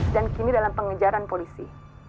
dan kini dalam pengejaran polisi